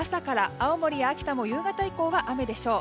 青森や秋田も夕方以降は雨でしょう。